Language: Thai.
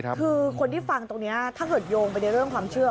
คือคนที่ฟังตรงนี้ถ้าเกิดโยงไปในเรื่องความเชื่อ